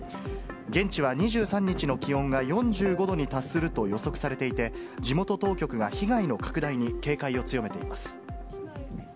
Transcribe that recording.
現地は２３日の気温が４５度に達すると予測されていて、地元当局が被害の拡大に警戒を強めています。